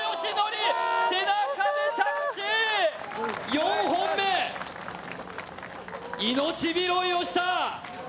４本目、命拾いをした。